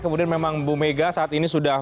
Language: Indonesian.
kemudian memang bu mega saat ini sudah